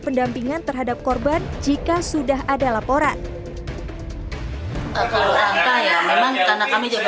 pendampingan terhadap korban jika sudah ada laporan kalau angka ya memang karena kami juga